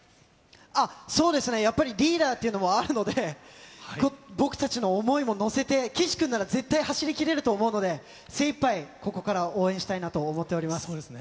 やっぱり、リーダーっていうのもあるので、僕たちの想いも乗せて、岸君なら絶対走りきれると思うので、精いっぱいここから応援したそうですね。